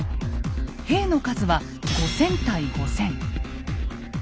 兵の数は５，０００対５，０００。